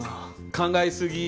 考え過ぎ。